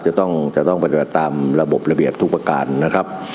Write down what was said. จะต้องจะต้องปฏิบัติตามระบบระเบียบทุกประการนะครับ